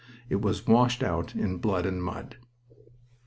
It was washed out in blood and mud.